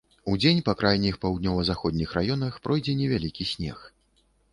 Удзень па крайніх паўднёва-заходніх раёнах пройдзе невялікі снег.